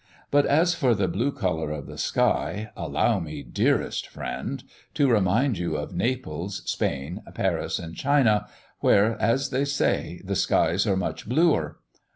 But as for the blue colour of the sky, allow me, dearest friend, to remind you of Naples, Spain, Paris, and China, where, as they say, the skies are much bluer.